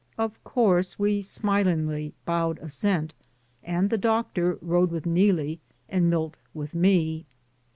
Of course we smilingly bowed as sent, and the doctor rode with Neelie, and Milt with me.